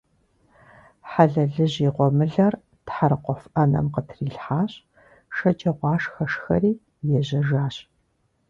Хьэлэлыжь и гъуэмылэр тхьэрыкъуэф Ӏэнэм къытрилъхьащ, шэджагъуашхэ шхэри ежьэжахэщ .